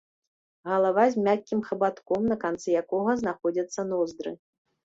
Галава з мяккім хабатком, на канцы якога знаходзяцца ноздры.